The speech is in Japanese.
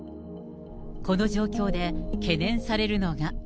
この状況で懸念されるのが。